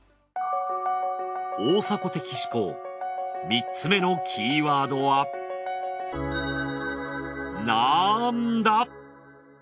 大迫的思考３つ目のキーワードはなんだ？